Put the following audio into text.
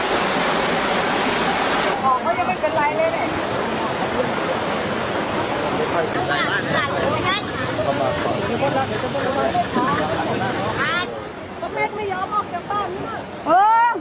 พี่ส่งหวานอ่ะเอาเจ้าบ้านเขาอ่ะ